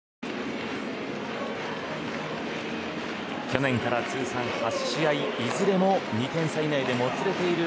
去年から通算８試合いずれも２点差以内でもつれている